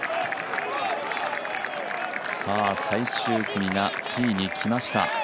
最終組がティーに来ました。